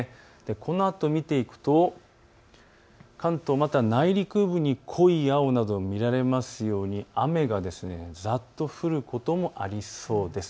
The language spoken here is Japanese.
このあとを見ていくと関東、また内陸部に濃い青などが見られますように雨が、ざっと降ることもありそうです。